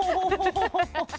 ハハハハハ！